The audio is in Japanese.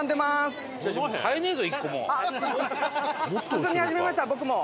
進み始めました僕も。